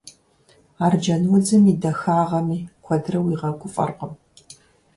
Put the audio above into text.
Арджэнудзым и дахагъэми куэдрэ уигъэгуфӀэркъым.